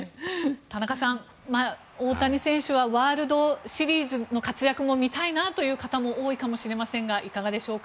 田中さん、大谷選手はワールドシリーズの活躍も見たいなという方も多いと思いますがいかがでしょうか。